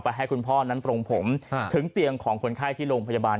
ให้คุณพ่อนั้นตรงผมถึงเตียงของคนไข้ที่โรงพยาบาล